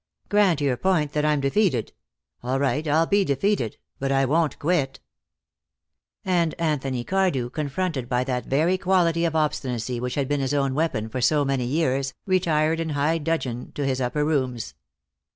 "Grant your point, that I'm defeated. All right, I'll be defeated but I won't quit." And Anthony Cardew, confronted by that very quality of obstinacy which had been his own weapon for so many years, retired in high dudgeon to his upper rooms.